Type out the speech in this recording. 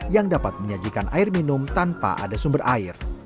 yang dapat menyajikan air minum tanpa ada sumber air